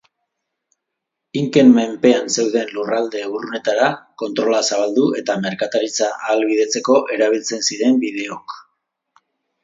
Inken menpean zeuden lurralde urrunetara kontrola zabaldu eta merkataritza ahalbidetzeko erabiltzen ziren bideok.